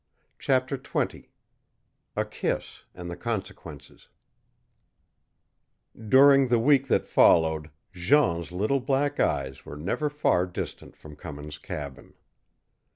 CHAPTER XX A KISS AND THE CONSEQUENCES During the week that followed, Jean's little black eyes were never far distant from Cummins' cabin.